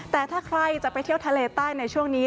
แต่ถ้าใครจะไปเที่ยวทะเลใต้ในช่วงนี้